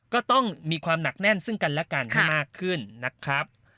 ก็ต้องมีความหนักแน่นซึ่งกันและกันให้มากขึ้นนะครับ